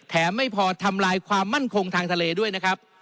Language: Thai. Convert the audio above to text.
ไม่พอทำลายความมั่นคงทางทะเลด้วยนะครับ